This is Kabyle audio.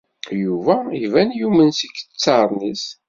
Yuba iban yumen s yikettaren-is.